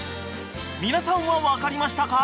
［皆さんは分かりましたか？